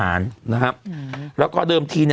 สวัสดีครับคุณผู้ชม